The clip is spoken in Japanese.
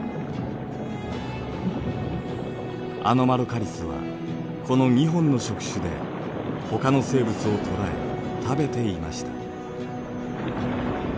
アノマロカリスはこの２本の触手でほかの生物を捕らえ食べていました。